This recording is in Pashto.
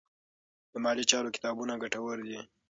د مالي چارو کتابونه ګټور دي.